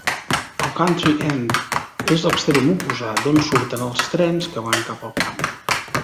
El "country end" és l'extrem oposat, d'on surten els trens que van cap al camp.